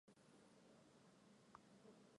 量子芝诺效应的名字起源于经典的芝诺悖论。